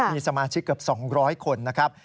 มีสมาชิกเกือบ๒๐๐คนนะครับ